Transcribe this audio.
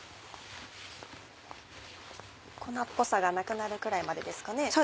粉っぽさがなくなるくらいまでですかね？